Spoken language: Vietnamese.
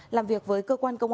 làm việc với cơ quan công an